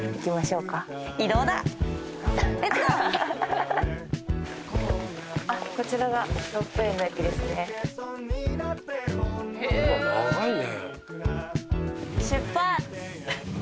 うわっ長いね。